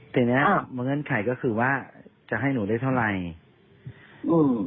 แต่เนี้ยบังเงินใครก็คือว่าจะให้หนูได้เท่าไรอืม